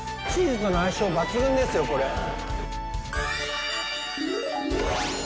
チーズとの相性、抜群ですよ、これ。